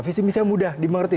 visi misalnya mudah dimengerti